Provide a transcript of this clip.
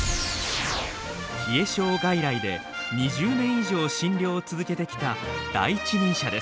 冷え症外来で２０年以上診療を続けてきた第一人者です。